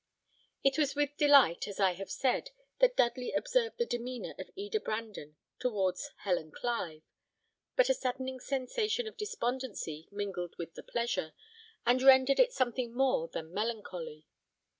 It was with delight, as I have said, that Dudley observed the demeanour of Eda Brandon towards Helen Clive; but a saddening sensation of despondency mingled with the pleasure, and rendered it something more than melancholy.